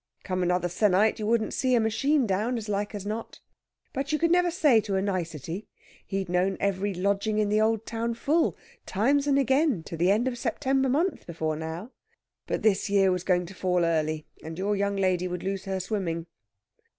Come another se'nnight, you wouldn't see a machine down, as like as not. But you could never say, to a nicety. He'd known every lodging in the old town full, times and again, to the end of September month, before now. But this year was going to fall early, and your young lady would lose her swimming.